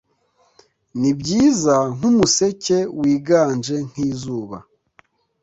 Nibyiza nkumuseke wiganje nkizuba